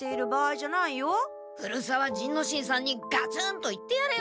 古沢仁之進さんにガツンと言ってやれよ。